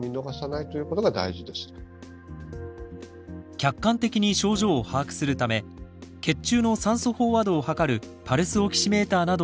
客観的に症状を把握するため血中の酸素飽和度を測るパルスオキシメーターなどを活用してください。